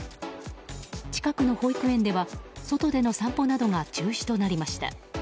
近くの保育園では外での散歩などが中止となりました。